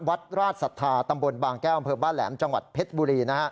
วัดราชศรัทธาตำบลบางแก้วอำเภอบ้านแหลมจังหวัดเพชรบุรี